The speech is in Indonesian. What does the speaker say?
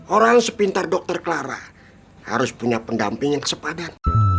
orang sepintar dokter clara harus punya pendamping yang sepadan